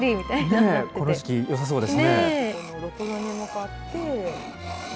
この時期、よさそうですね。